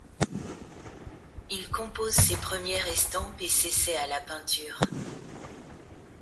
Il compose ses premières estampes et s'essaie à la peinture.